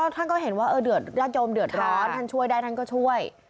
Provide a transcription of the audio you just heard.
ท่านก็เห็นว่าญาติโยมเดือดร้อนท่านช่วยได้ท่านก็ช่วย